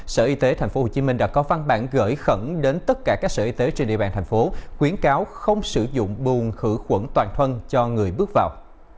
sở y tế tp hcm đã có văn bản gửi khẩn đến tất cả các sở y tế trên địa bàn thành phố khuyến cáo không sử dụng buồn khử khuẩn toàn thân cho người bước vào